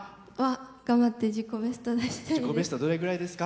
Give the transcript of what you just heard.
頑張って自己ベストを出したいです。